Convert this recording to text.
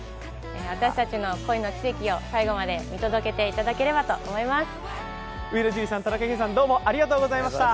私たちの恋の軌跡を最後まで見届けていただければと思います。